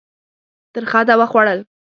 ترخه دوا خوړل.